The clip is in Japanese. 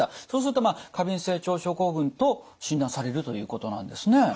そうするとまあ過敏性腸症候群と診断されるということなんですね。